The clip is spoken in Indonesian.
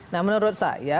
nah menurut saya